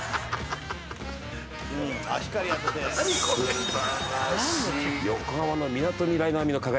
素晴らしい。